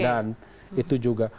dan itu juga